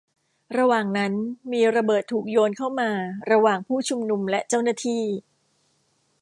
ระหว่างนั้นมีระเบิดถูกโยนเข้ามาระหว่างผู้ชุมนุมและเจ้าหน้าที่